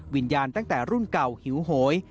วิญญาณตั้งแต่รุ่งเก่าหิวหวย